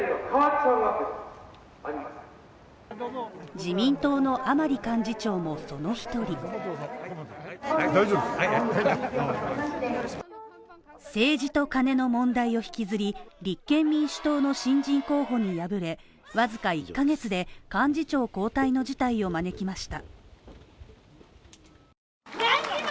自民党の甘利幹事長もその１人政治とカネの問題を引きずり、立憲民主党の新人候補に敗れ、わずか１ヶ月で幹事長交代の事態を招きました。